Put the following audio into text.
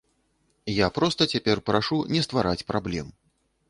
Я проста цяпер прашу не ствараць праблем.